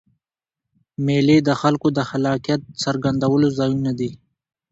مېلې د خلکو د خلاقیت څرګندولو ځایونه دي.